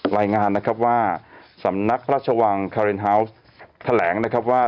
รายงานนะครับว่าสำนักพระราชวังคาเรนฮาวส์แถลงนะครับว่า